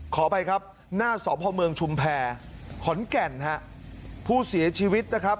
ขออภัยครับหน้าสพเมืองชุมแพรขอนแก่นฮะผู้เสียชีวิตนะครับ